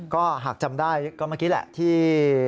ก็หากจำได้ก็เมื่อกี้แหละที่